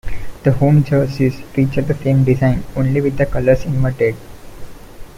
The home jerseys featured the same design, only with the colors inverted.